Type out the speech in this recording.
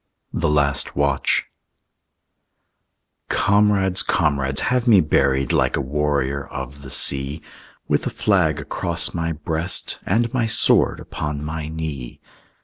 THE LAST WATCH Comrades, comrades, have me buried Like a warrior of the sea, With a flag across my breast And my sword upon my knee.